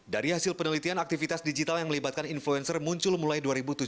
dari hasil penelitian aktivitas digital yang melibatkan influencer muncul mulai dua ribu tujuh belas